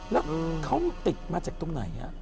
แล้วเขาติดมาจากตรงไหน